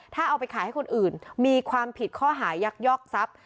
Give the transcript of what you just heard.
ถ้าเอาไปขายให้คนอื่นมีความผิดข้อหายักยอกทรัพย์